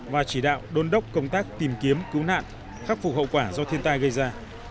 và chỉ đạo đôn đốc công tác tìm kiếm cứu nạn khắc phục hậu quả do thiên tai gây ra